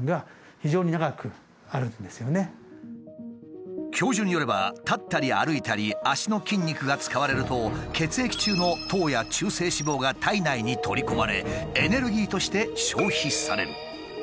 例えばこう教授によれば立ったり歩いたり脚の筋肉が使われると血液中の糖や中性脂肪が体内に取り込まれエネルギーとして消費される。